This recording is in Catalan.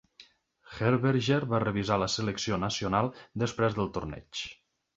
Herberger va revisar la selecció nacional després del torneig.